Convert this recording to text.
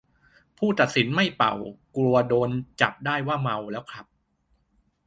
ผู้ตัดสินไม่เป่า กลัวโดนจับได้ว่าเมาแล้วขับ